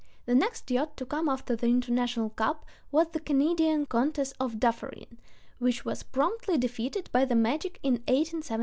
The next yacht to come after the international cup was the Canadian Countess of Dufferin, which was promptly defeated by the Magic in 1876.